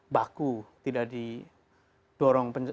baku tidak didorong